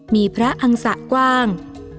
มีพระอังสะกว้าง